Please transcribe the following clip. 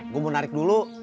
gua mau narik dulu